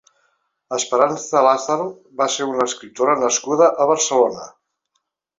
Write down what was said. Esperanza Lázaro va ser una escriptora nascuda a Barcelona.